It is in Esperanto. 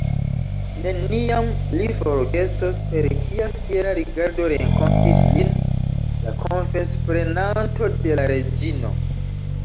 Neniam li forgesos, per kia fiera rigardo renkontis lin la konfesprenanto de la reĝino.